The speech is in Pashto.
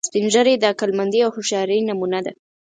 سپین ږیری د عقلمندۍ او هوښیارۍ نمونه دي